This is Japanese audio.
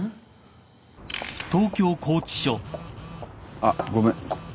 あっごめん。